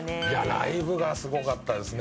ライブがすごかったですね。